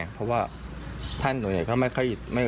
เพราะว่าท่านตัวเองก็ไม่เคย